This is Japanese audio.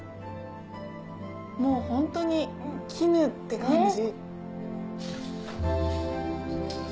もうホントに絹って感じ。